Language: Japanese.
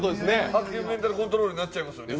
アクティブメンタルコントロールになっちゃいますよね。